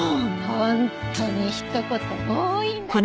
本当にひと言多いんだから！